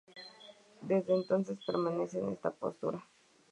Desde entonces permanece en esta postura.